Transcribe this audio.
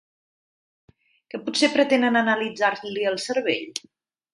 ¿Que potser pretenen analitzar-li el cervell?